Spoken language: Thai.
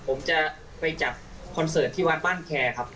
ผมจะไปจัดคอนเสิร์ตที่วัดบ้านแคร์ครับ